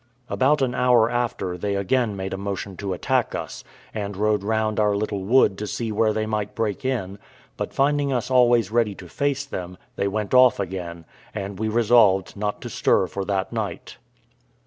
About an hour after they again made a motion to attack us, and rode round our little wood to see where they might break in; but finding us always ready to face them, they went off again; and we resolved not to stir for that night.